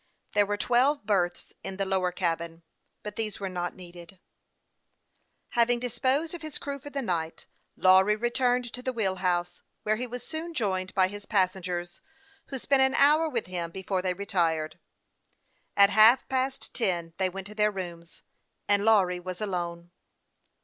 There were twelve berth. s in the lower cabin, but these were not needed on the present occasion. Having disposed of his crew for the night, Lawry returned to the wheel house, where he was soon joined by his passengers, who spent an hour with him before they retired. At half past ten they went to their rooms, and Lawry was alone.